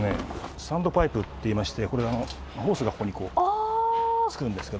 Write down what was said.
スタンドパイプっていいましてホースがここに付くんですけども。